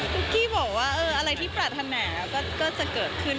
กี้บอกว่าอะไรที่ปรารถนาก็จะเกิดขึ้น